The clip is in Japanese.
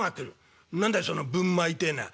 「何だいそのぶんまいてえのは」。